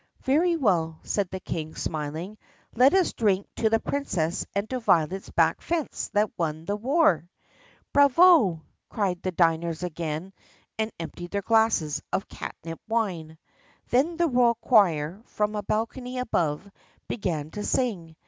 "Very well," said the King smiling. "Let us drink to the Princess and to Violet's back fence that won the war!" "Bravo!" cried the diners again and emptied their glasses of catnip wine. Then the royal choir, from a balcony above, began to sing.